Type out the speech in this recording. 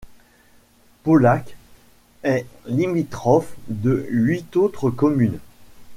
Paulhac est limitrophe de huit autres communes.